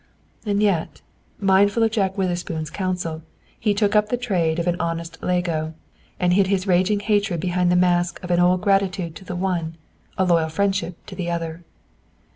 And yet, mindful of Jack Witherspoon's counsel, he took up the trade of an honest Iago, and hid his raging hatred behind the mask of an olden gratitude to the one, a loyal friendship to the other.